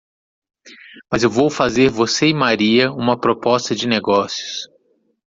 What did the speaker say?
Mas eu vou fazer você e Maria uma proposta de negócios.